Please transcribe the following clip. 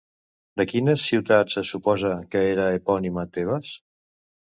De quines ciutats es suposa que era epònima Tebes?